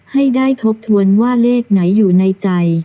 ให้ได้ทบทวนว่าเลขไหนอยู่ในใจ